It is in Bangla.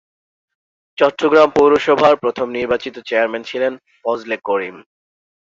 চট্টগ্রাম পৌরসভার প্রথম নির্বাচিত চেয়ারম্যান ছিলেন ফজল করিম।